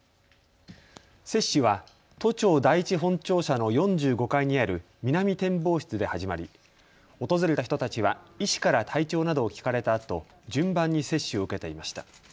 接種は都庁第一本庁舎の４５階にある南展望室で始まり訪れた人たちは医師から体調などを聞かれたあと順番に接種を受けていました。